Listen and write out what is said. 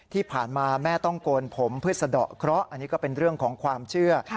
ที่ผ่านมาแม่ต้องโกนผมเพื่อสะดอกเคราะห์อันนี้ก็เป็นเรื่องของความเชื่อ